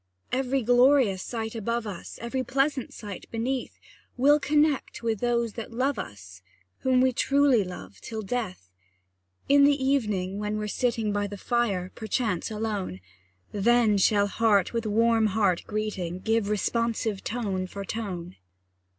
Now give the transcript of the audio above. Every glorious sight above us, Every pleasant sight beneath, We'll connect with those that love us, Whom we truly love till death! In the evening, when we're sitting By the fire, perchance alone, Then shall heart with warm heart meeting, Give responsive tone for tone.